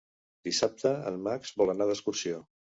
Dissabte en Max vol anar d'excursió.